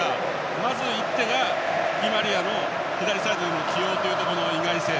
まず１点が、ディマリアの左サイドでの起用という意外性。